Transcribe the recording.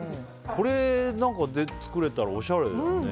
これで作れたら、おしゃれだね。